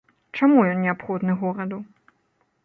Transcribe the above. Чаму ён неабходны гораду?